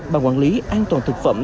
bằng quản lý an toàn thực phẩm